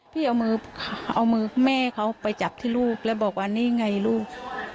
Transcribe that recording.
พี่เอามือเอามือแม่เขาไปจับที่ลูกแล้วบอกว่านี่ไงลูก